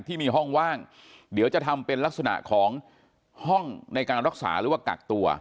ที่มีห้องว่างเดี๋ยวจะทำเป็นลักษณะของห้องในการรักษาหรือว่ากักตัว